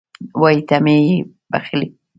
وایي ته مې یې بښلی